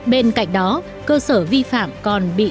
bên cạnh đó cơ sở vi phạm còn bị